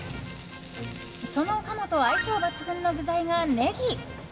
その鴨と相性抜群の具材が、ネギ。